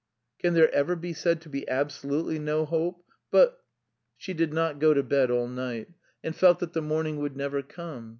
"Can there ever be said to be absolutely no hope? But..." She did not go to bed all night, and felt that the morning would never come.